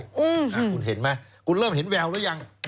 คุณเห็นไหมคุณเริ่มเห็นแววหรือยัง